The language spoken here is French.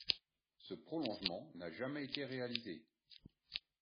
Ce prolongement n'a jamais été réalisé.